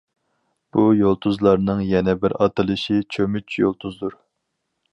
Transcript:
بۇ يۇلتۇزلارنىڭ يەنە بىر ئاتىلىشى چۆمۈچ يۇلتۇزدۇر.